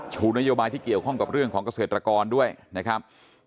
ชูนโยบายที่เกี่ยวข้องกับเรื่องของเกษตรกรด้วยนะครับ